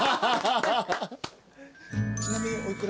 ちなみにお幾ら？